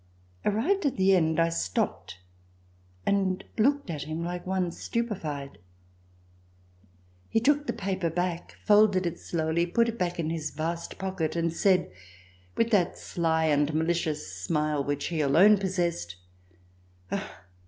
Arrived at the end, I stopped and looked at him like one stupe fied. He took the paper back, folded it slowly, put it back in his vast pocket and said, with that sly and malicious smile which he alone possessed: "Ah!